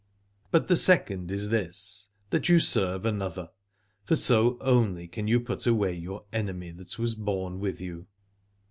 But the second is this, that you serve another, for so only can you put away your enemy that was born with you.